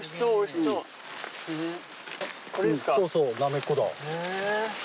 そうそうなめこだ。